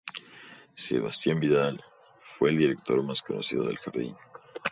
Sebastián Vidal fue el director más conocido del jardín.